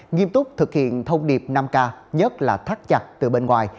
nghiêm túc thực hiện thông điệp năm k nhất là thắt chặt từ bên ngoài